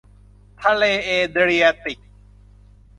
ทะเลเอเดรียติก